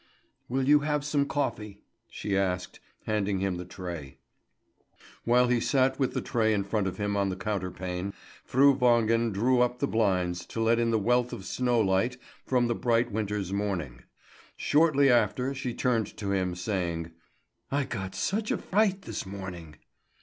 "Will you have some coffee?" she asked, handing him the tray. While he sat with the tray in front of him on the counterpane, Fru Wangen drew up the blinds to let in the wealth of snow light from the bright winter's morning. Shortly after she turned to him saying: "I got such a fright this morning."